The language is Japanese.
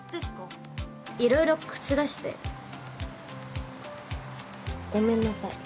いろいろ口、出してごめんなさい。